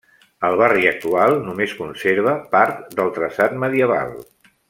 El barri actual només conserva part del traçat medieval.